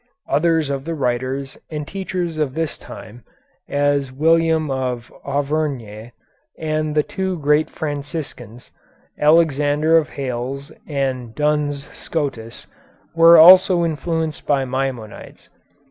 Others of the writers and teachers of this time, as William of Auvergne, and the two great Franciscans, Alexander of Hales and Duns Scotus, were also influenced by Maimonides.